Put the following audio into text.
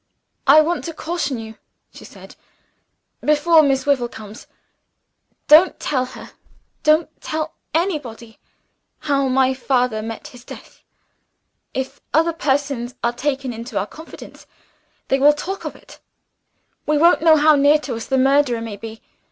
"I want to caution you," she said, "before Miss Wyvil comes. Don't tell her don't tell anybody how my father met his death. If other persons are taken into our confidence, they will talk of it. We don't know how near to us the murderer may be.